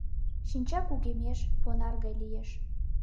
Шинча кугемеш, понар гай лиеш.